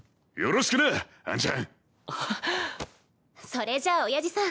それじゃあおやじさん